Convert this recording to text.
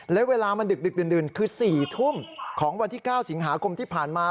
และเวลามันดึกดื่นคือ๔ทุ่มของวันที่๙สิงหาคมที่ผ่านมา